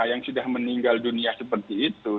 yang sudah meninggal dunia seperti itu